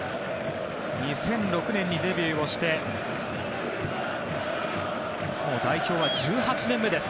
２００６年にデビューしてもう代表は１８年目です。